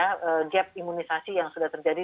kegiatan imunisasi yang sudah terjadi